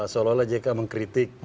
seolah olah jk mengkritik